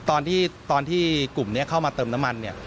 ตอนที่กลุ่มนี้เข้ามาเติมน้ำมันเนี่ย